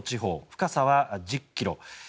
深さは１０ｋｍ。